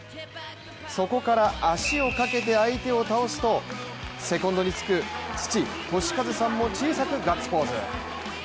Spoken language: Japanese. そこから足をかけて相手を倒すとセコンドにつく父、俊一さんもｐ小さくガッツポーズ。